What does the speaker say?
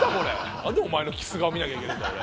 何でお前のキス顔見なきゃいけねえんだ俺。